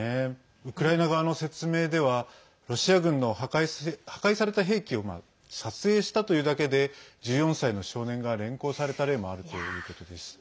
ウクライナ側の説明ではロシア軍の破壊された兵器を撮影したというだけで１４歳の少年が連行された例もあるということです。